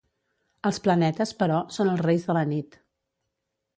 Els planetes, però, són els reis de la nit.